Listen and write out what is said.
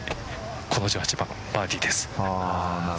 この１８番、バーディーです。